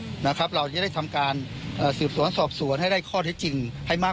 อืมนะครับเราจะได้ทำการเอ่อสูบสวนสอบสวนให้ได้ข้อที่จริงให้มาก